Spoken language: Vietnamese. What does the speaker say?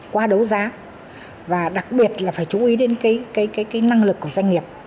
qua đấu giá và đặc biệt là phải chú ý đến cái năng lực của doanh nghiệp